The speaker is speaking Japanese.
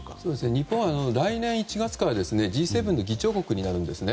日本は来年１月からＧ７の議長国になるんですね。